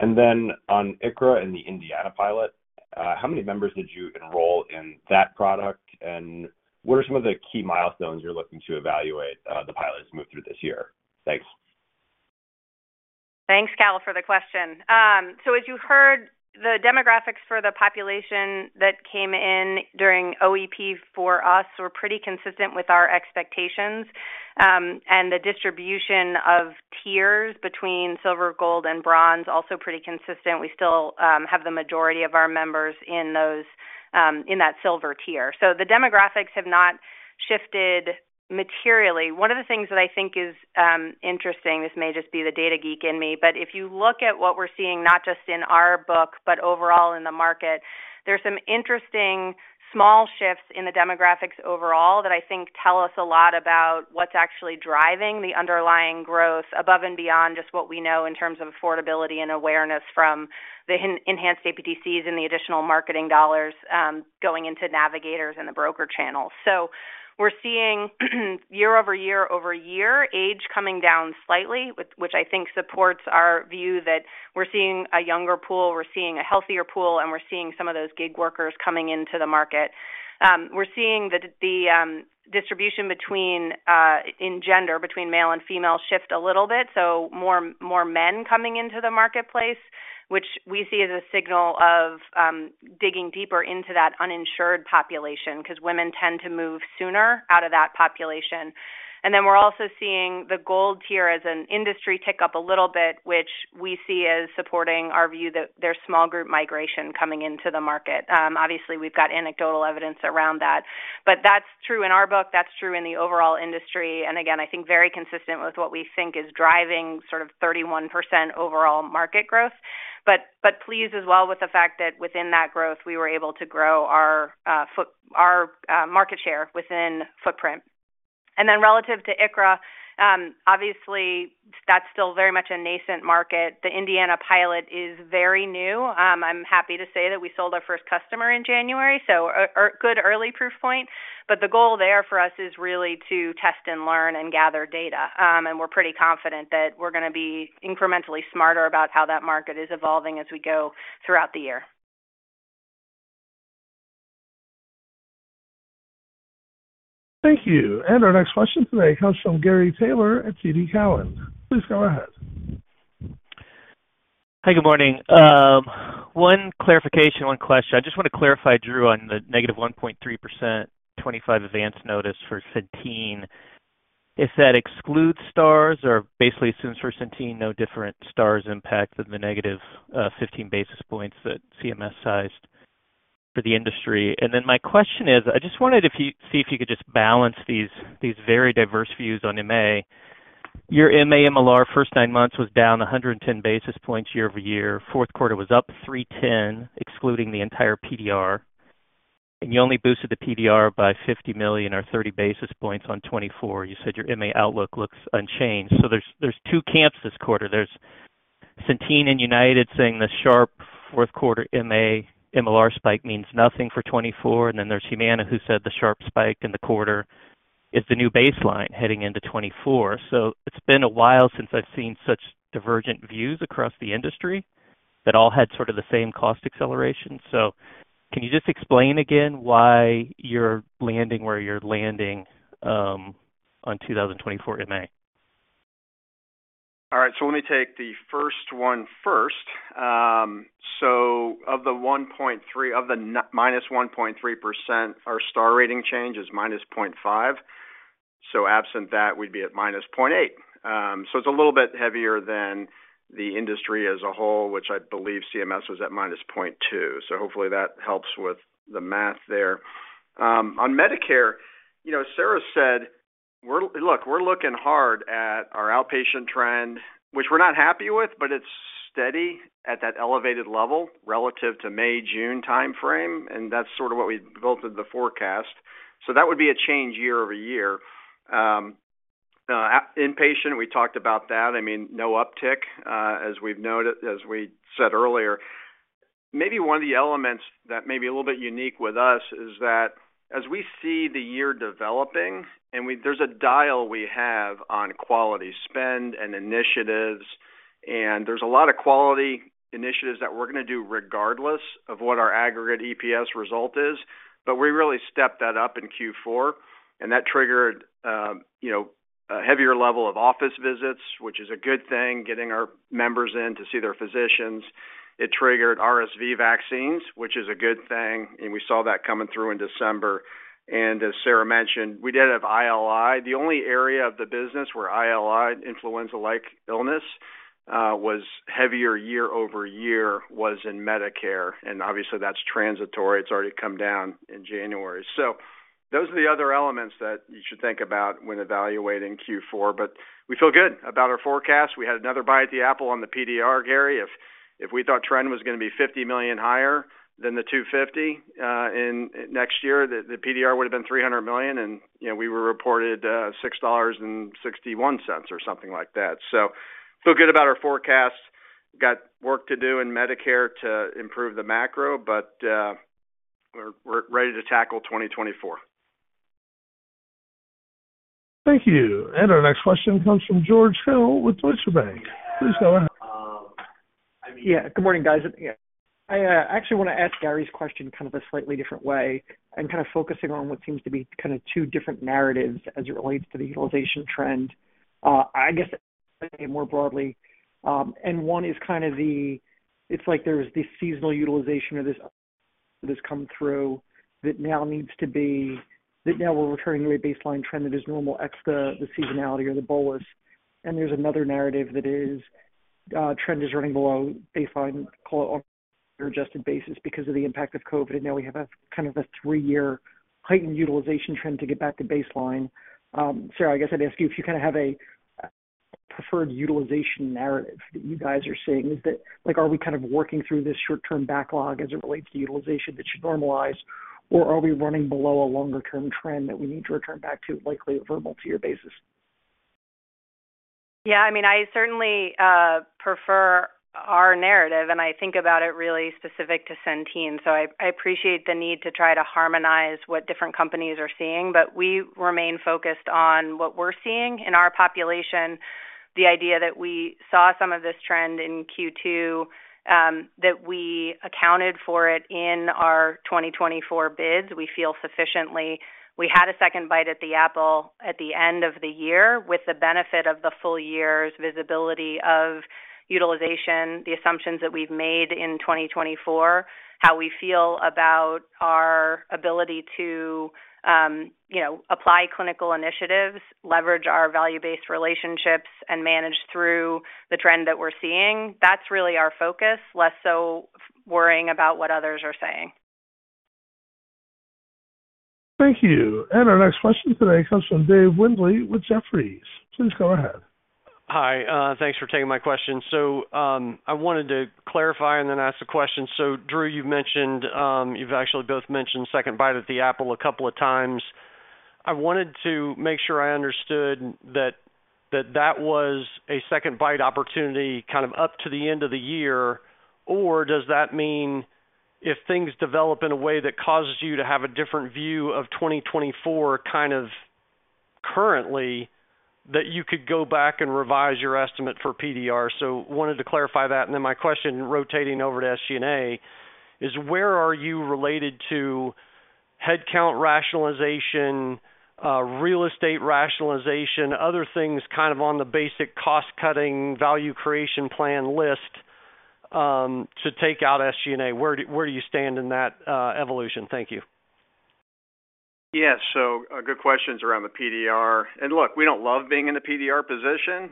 [SPEAKER 13] And then on ICHRA and the Indiana pilot, how many members did you enroll in that product, and what are some of the key milestones you're looking to evaluate, the pilots move through this year? Thanks.
[SPEAKER 3] Thanks, Cal, for the question. So as you heard, the demographics for the population that came in during OEP for us were pretty consistent with our expectations, and the distribution of tiers between silver, gold, and bronze, also pretty consistent. We still have the majority of our members in those, in that silver tier. So the demographics have not shifted materially. One of the things that I think is interesting, this may just be the data geek in me, but if you look at what we're seeing, not just in our book, but overall in the market, there's some interesting small shifts in the demographics overall that I think tell us a lot about what's actually driving the underlying growth above and beyond just what we know in terms of affordability and awareness from the en-enhanced APTCs and the additional marketing dollars going into navigators and the broker channel. So we're seeing, year over year over year, age coming down slightly, which I think supports our view that we're seeing a younger pool, we're seeing a healthier pool, and we're seeing some of those gig workers coming into the market. We're seeing the distribution between in gender between male and female shift a little bit, so more men coming into the Marketplace, which we see as a signal of digging deeper into that uninsured population, because women tend to move sooner out of that population. And then we're also seeing the Gold tier as an industry tick up a little bit, which we see as supporting our view that there's small group migration coming into the market. Obviously, we've got anecdotal evidence around that, but that's true in our book. That's true in the overall industry. And again, I think very consistent with what we think is driving sort of 31% overall market growth, but pleased as well with the fact that within that growth, we were able to grow our market share within footprint. Then relative to ICHRA, obviously, that's still very much a nascent market. The Indiana pilot is very new. I'm happy to say that we sold our first customer in January, so a good early proof point. But the goal there for us is really to test and learn and gather data. And we're pretty confident that we're going to be incrementally smarter about how that market is evolving as we go throughout the year.
[SPEAKER 1] Thank you. Our next question today comes from Gary Taylor at TD Cowen. Please go ahead.
[SPEAKER 14] Hi, good morning. One clarification, one question. I just want to clarify, Andrew, on the -1.3%, 25 advance notice for Centene. If that excludes stars or basically assumes for Centene, no different stars impact than the -15 basis points that CMS sized for the industry. And then my question is, I just wanted to see if you could just balance these, these very diverse views on MA. Your MA MLR, first 9 months, was down 110 basis points year-over-year. Fourth quarter was up 310, excluding the entire PDR.... And you only boosted the PDR by $50 million or 30 basis points on 2024. You said your MA outlook looks unchanged. So there's two camps this quarter. There's Centene and United saying the sharp fourth quarter MA MLR spike means nothing for 2024. And then there's Humana, who said the sharp spike in the quarter is the new baseline heading into 2024. So it's been a while since I've seen such divergent views across the industry that all had sort of the same cost acceleration. So can you just explain again why you're landing where you're landing on 2024 MA?
[SPEAKER 4] All right, so let me take the first one first. So of the minus 1.3%, our star rating change is -0.5. So absent that, we'd be at -0.8. So it's a little bit heavier than the industry as a whole, which I believe CMS was at -0.2. So hopefully that helps with the math there. On Medicare, you know, Sarah said, we're looking hard at our outpatient trend, which we're not happy with, but it's steady at that elevated level relative to May, June timeframe, and that's sort of what we built in the forecast. So that would be a change year-over-year. Inpatient, we talked about that. I mean, no uptick, as we've noted, as we said earlier. Maybe one of the elements that may be a little bit unique with us is that as we see the year developing, and there's a dial we have on quality spend and initiatives, and there's a lot of quality initiatives that we're gonna do regardless of what our aggregate EPS result is. But we really stepped that up in Q4, and that triggered, you know, a heavier level of office visits, which is a good thing, getting our members in to see their physicians. It triggered RSV vaccines, which is a good thing, and we saw that coming through in December. And as Sarah mentioned, we did have ILI. The only area of the business where ILI, influenza-like illness, was heavier year-over-year was in Medicare, and obviously that's transitory. It's already come down in January. So those are the other elements that you should think about when evaluating Q4, but we feel good about our forecast. We had another bite at the apple on the PDR, Gary. If we thought trend was gonna be $50 million higher than the $250 million in next year, the PDR would have been $300 million, and, you know, we were reported $6.61 or something like that. So feel good about our forecast. Got work to do in Medicare to improve the macro, but we're ready to tackle 2024.
[SPEAKER 1] Thank you. Our next question comes from George Hill with Deutsche Bank. Please go ahead.
[SPEAKER 15] Yeah, good morning, guys. I actually wanna ask Gary's question kind of a slightly different way and kind of focusing on what seems to be kind of two different narratives as it relates to the utilization trend. I guess, more broadly, and one is kind of the... It's like there's this seasonal utilization or this, that has come through that now needs to be, that now we're returning to a baseline trend that is normal, extra the seasonality or the bolus. And there's another narrative that is, trend is running below baseline, call it adjusted basis, because of the impact of COVID, and now we have a kind of a three-year heightened utilization trend to get back to baseline. Sarah, I guess I'd ask you if you kind of have a preferred utilization narrative that you guys are seeing. Is that, like, are we kind of working through this short-term backlog as it relates to utilization that should normalize, or are we running below a longer-term trend that we need to return back to, likely a verbal to your basis?
[SPEAKER 3] Yeah, I mean, I certainly prefer our narrative, and I think about it really specific to Centene. So I, I appreciate the need to try to harmonize what different companies are seeing, but we remain focused on what we're seeing in our population. The idea that we saw some of this trend in Q2, that we accounted for it in our 2024 bids, we feel sufficiently. We had a second bite at the apple at the end of the year, with the benefit of the full year's visibility of utilization, the assumptions that we've made in 2024, how we feel about our ability to, you know, apply clinical initiatives, leverage our value-based relationships, and manage through the trend that we're seeing. That's really our focus, less so worrying about what others are saying.
[SPEAKER 1] Thank you. Our next question today comes from David Windley with Jefferies. Please go ahead.
[SPEAKER 16] Hi, thanks for taking my question. So, I wanted to clarify and then ask a question. So, Andrew, you've mentioned, you've actually both mentioned second bite at the apple a couple of times. I wanted to make sure I understood that that was a second bite opportunity kind of up to the end of the year. Or does that mean if things develop in a way that causes you to have a different view of 2024 kind of currently, that you could go back and revise your estimate for PDR? So wanted to clarify that, and then my question, rotating over to SG&A, is where are you related to headcount rationalization, real estate rationalization, other things kind of on the basic cost-cutting, value creation plan list, to take out SG&A? Where do you stand in that evolution? Thank you.
[SPEAKER 4] Yes, so good questions around the PDR. And look, we don't love being in a PDR position,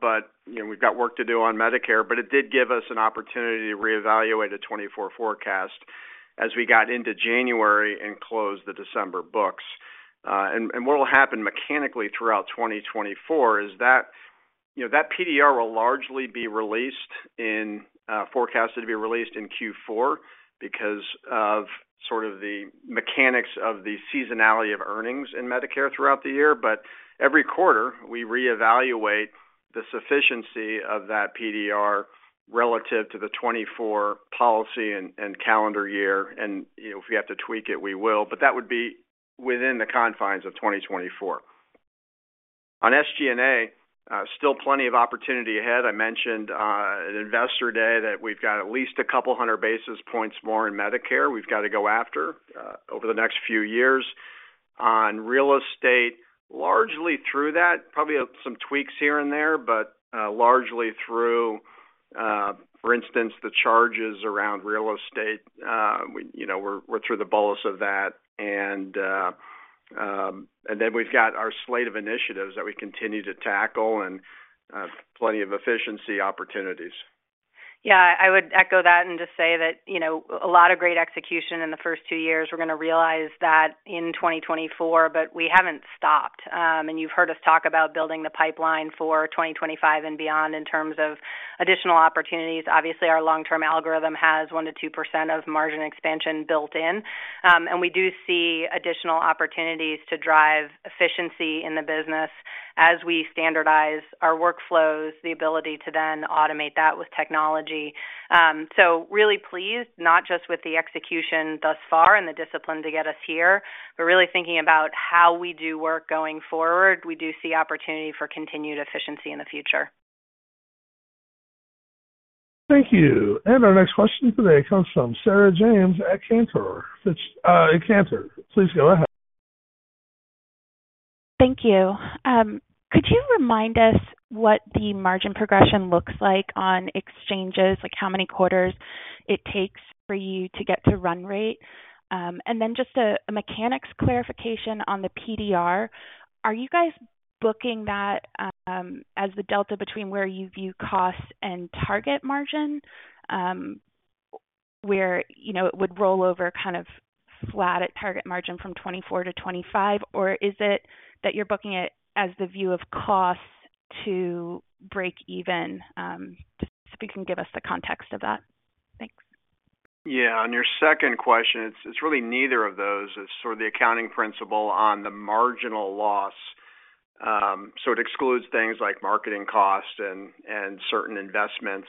[SPEAKER 4] but, you know, we've got work to do on Medicare, but it did give us an opportunity to reevaluate the 2024 forecast as we got into January and closed the December books. And what will happen mechanically throughout 2024 is that, you know, that PDR will largely be released in, forecasted to be released in Q4 because of sort of the mechanics of the seasonality of earnings in Medicare throughout the year. But every quarter, we reevaluate the sufficiency of that PDR relative to the 2024 policy and calendar year. And, you know, if we have to tweak it, we will, but that would be within the confines of 2024. On SG&A, still plenty of opportunity ahead. I mentioned at Investor Day that we've got at least a couple hundred basis points more in Medicare. We've got to go after over the next few years. On real estate, largely through that, probably some tweaks here and there, but largely through, for instance, the charges around real estate. You know, we're through the bolus of that. And then we've got our slate of initiatives that we continue to tackle and plenty of efficiency opportunities.
[SPEAKER 3] Yeah, I would echo that and just say that, you know, a lot of great execution in the first two years. We're going to realize that in 2024, but we haven't stopped. And you've heard us talk about building the pipeline for 2025 and beyond in terms of additional opportunities. Obviously, our long-term algorithm has 1%-2% of margin expansion built in. And we do see additional opportunities to drive efficiency in the business as we standardize our workflows, the ability to then automate that with technology. So really pleased, not just with the execution thus far and the discipline to get us here, but really thinking about how we do work going forward. We do see opportunity for continued efficiency in the future.
[SPEAKER 1] Thank you. Our next question today comes from Sarah James at Cantor. Cantor, please go ahead.
[SPEAKER 17] Thank you. Could you remind us what the margin progression looks like on exchanges? Like, how many quarters it takes for you to get to run rate? And then just a mechanics clarification on the PDR. Are you guys booking that, as the delta between where you view costs and target margin, where, you know, it would roll over kind of flat at target margin from 2024 to 2025, or is it that you're booking it as the view of costs to break even? If you can give us the context of that. Thanks.
[SPEAKER 4] Yeah. On your second question, it's really neither of those. It's sort of the accounting principle on the marginal loss. So it excludes things like marketing costs and certain investments.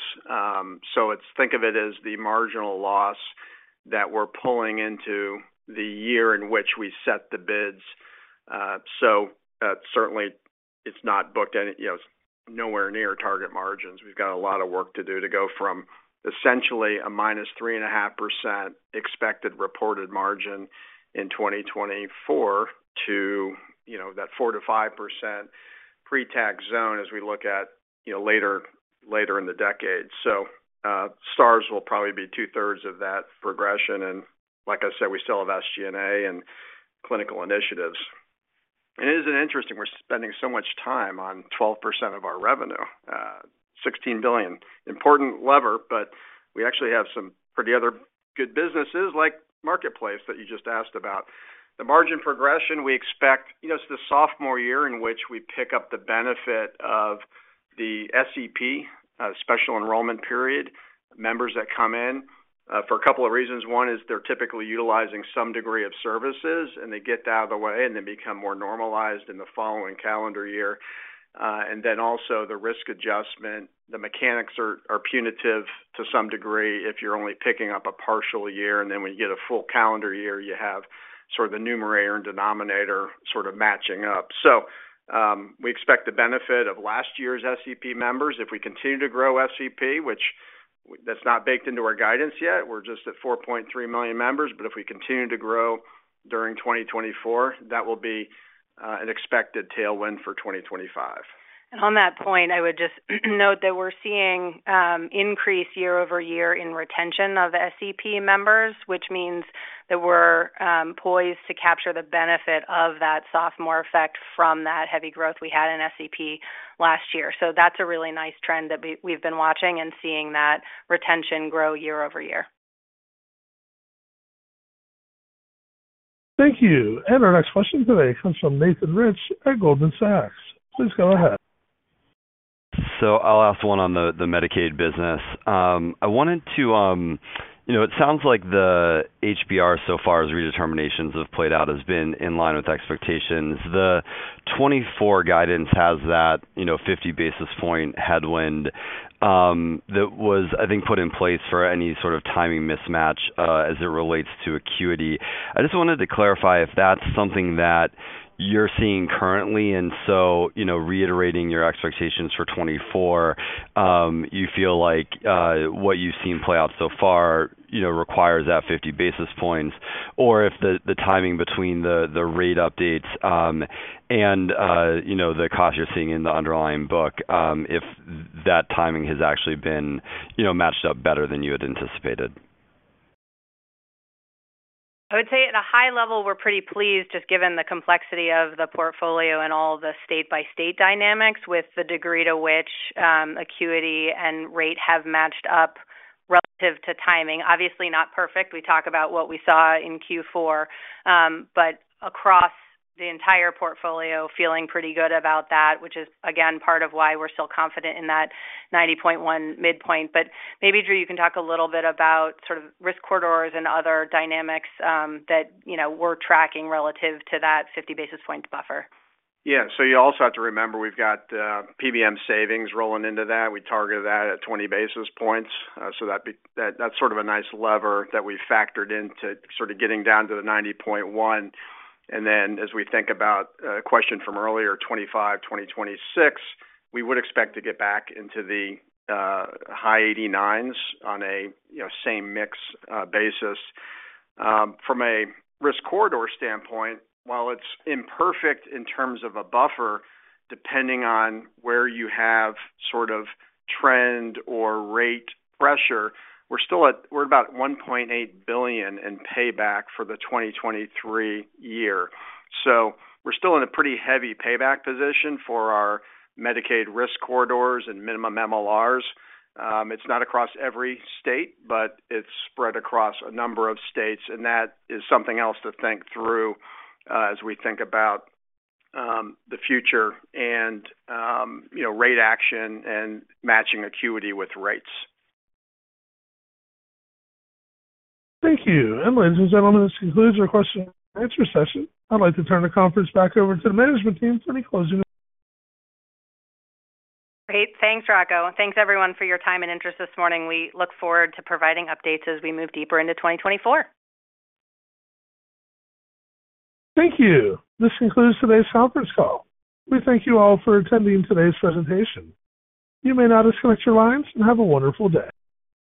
[SPEAKER 4] So it's—think of it as the marginal loss that we're pulling into the year in which we set the bids. So certainly it's not booked, and, you know, it's nowhere near target margins. We've got a lot of work to do to go from essentially a -3.5% expected reported margin in 2024 to, you know, that 4%-5% pre-tax zone as we look at, you know, later, later in the decade. So Stars will probably be two-thirds of that progression, and like I said, we still have SG&A and clinical initiatives. It is interesting, we're spending so much time on 12% of our revenue, $16 billion. Important lever, but we actually have some pretty other good businesses like Marketplace, that you just asked about. The margin progression, we expect, you know, it's the sophomore year in which we pick up the benefit of the SEP, Special Enrollment Period. Members that come in for a couple of reasons. One is they're typically utilizing some degree of services, and they get that out of the way, and they become more normalized in the following calendar year. And then also the risk adjustment, the mechanics are, are punitive to some degree if you're only picking up a partial year, and then when you get a full calendar year, you have sort of the numerator and denominator sort of matching up. So, we expect the benefit of last year's SEP members. If we continue to grow SEP, which that's not baked into our guidance yet, we're just at 4.3 million members, but if we continue to grow during 2024, that will be an expected tailwind for 2025.
[SPEAKER 3] On that point, I would just note that we're seeing increase year-over-year in retention of SEP members, which means that we're poised to capture the benefit of that sophomore effect from that heavy growth we had in SEP last year. That's a really nice trend that we've been watching and seeing that retention grow year-over-year.
[SPEAKER 1] Thank you. And our next question today comes from Nathan Rich at Goldman Sachs. Please go ahead.
[SPEAKER 18] So I'll ask one on the Medicaid business. I wanted to... You know, it sounds like the HBR so far as redeterminations have played out has been in line with expectations. The 2024 guidance has that, you know, 50 basis point headwind that was, I think, put in place for any sort of timing mismatch as it relates to acuity. I just wanted to clarify if that's something that you're seeing currently, and so you know, reiterating your expectations for 2024, you feel like what you've seen play out so far you know requires that 50 basis points, or if the timing between the rate updates and you know the costs you're seeing in the underlying book if that timing has actually been you know matched up better than you had anticipated.
[SPEAKER 3] I would say at a high level, we're pretty pleased, just given the complexity of the portfolio and all the state-by-state dynamics, with the degree to which acuity and rate have matched up relative to timing, obviously not perfect. We talk about what we saw in Q4, but across the entire portfolio, feeling pretty good about that, which is, again, part of why we're still confident in that 90.1 midpoint. But maybe, Andrew, you can talk a little bit about sort of risk corridors and other dynamics that, you know, we're tracking relative to that 50 basis point buffer.
[SPEAKER 4] Yeah. So you also have to remember, we've got PBM savings rolling into that. We targeted that at 20 basis points. So that's sort of a nice lever that we factored into sort of getting down to the 90.1. And then as we think about a question from earlier, 2025, 2026, we would expect to get back into the high 89s on a, you know, same mix basis. From a risk corridor standpoint, while it's imperfect in terms of a buffer, depending on where you have sort of trend or rate pressure, we're still at—we're about $1.8 billion in payback for the 2023 year. So we're still in a pretty heavy payback position for our Medicaid risk corridors and minimum MLRs. It's not across every state, but it's spread across a number of states, and that is something else to think through, as we think about the future and, you know, rate action and matching acuity with rates.
[SPEAKER 1] Thank you. Ladies and gentlemen, this concludes our question and answer session. I'd like to turn the conference back over to the management team for any closing-
[SPEAKER 3] Great. Thanks, Rocco. Thanks, everyone, for your time and interest this morning. We look forward to providing updates as we move deeper into 2024.
[SPEAKER 1] Thank you. This concludes today's conference call. We thank you all for attending today's presentation. You may now disconnect your lines, and have a wonderful day.